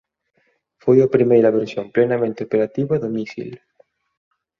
Foi a primeira versión plenamente operativa do mísil.